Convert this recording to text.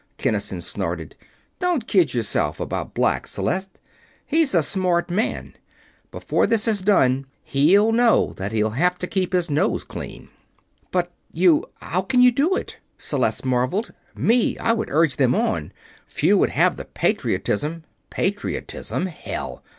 Kinnison snorted. "Don't kid yourself about Black, Celeste. He's a smart man, and before this is done he'll know that he'll have to keep his nose clean." "But you how can you do it?" Celeste marveled. "Me, I would urge them on. Few would have the patriotism...." "Patriotism, hell!